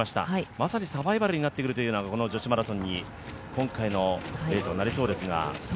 まさにサバイバルになってくるといったようなこの女子マラソンに今回のレースはなりそうですが。